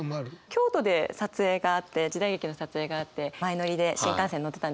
京都で撮影があって時代劇の撮影があって前乗りで新幹線乗ってたんですね。